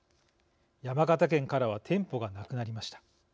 山形県からは店舗がなくなりました。